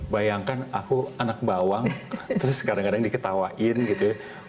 bayangkan aku anak bawang terus kadang kadang diketawain gitu ya